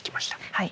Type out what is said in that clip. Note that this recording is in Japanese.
はい。